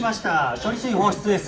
処理水放出です。